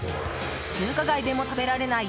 中華街でも食べられない